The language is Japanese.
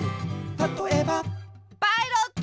「たとえば」パイロット！